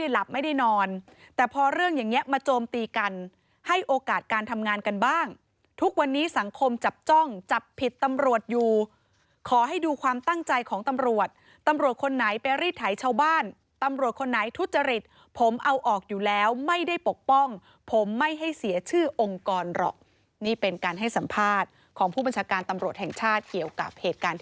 หลับไม่ได้นอนแต่พอเรื่องอย่างนี้มาโจมตีกันให้โอกาสการทำงานกันบ้างทุกวันนี้สังคมจับจ้องจับผิดตำรวจอยู่ขอให้ดูความตั้งใจของตำรวจตำรวจคนไหนไปรีดไถชาวบ้านตำรวจคนไหนทุจริตผมเอาออกอยู่แล้วไม่ได้ปกป้องผมไม่ให้เสียชื่อองค์กรหรอกนี่เป็นการให้สัมภาษณ์ของผู้บัญชาการตำรวจแห่งชาติเกี่ยวกับเหตุการณ์